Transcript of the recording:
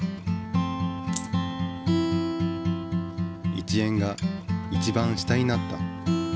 １円が一番下になった。